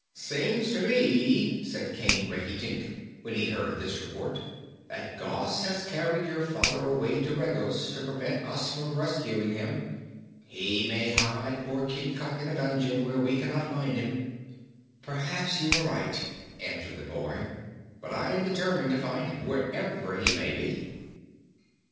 "Seems to me," said King Rinkitink, when he heard this report, "that Gos has carried your father away to Regos, to prevent us from rescuing him. He may hide poor Kitticut in a dungeon, where we cannot find him." "Perhaps you are right," answered the boy, "but I am determined to find him, wherever he may be."